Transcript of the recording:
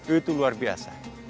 itu luar biasa